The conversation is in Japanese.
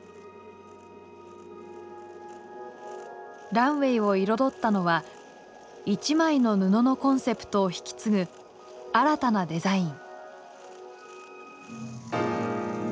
ランウェイを彩ったのは「一枚の布」のコンセプトを引き継ぐ新たなデザイン。